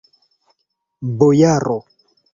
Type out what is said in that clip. Bojaro!